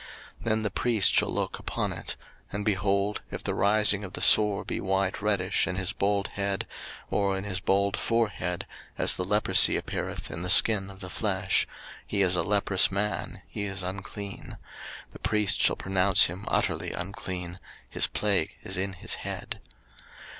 03:013:043 Then the priest shall look upon it: and, behold, if the rising of the sore be white reddish in his bald head, or in his bald forehead, as the leprosy appeareth in the skin of the flesh; 03:013:044 He is a leprous man, he is unclean: the priest shall pronounce him utterly unclean; his plague is in his head.